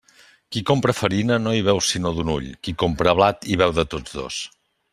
Qui compra farina no hi veu sinó d'un ull; qui compra blat hi veu de tots dos.